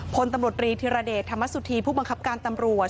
พลตำรวจรีธิรเดชธรรมสุธีผู้บังคับการตำรวจ